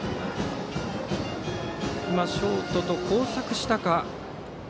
今、ショートと交錯したか。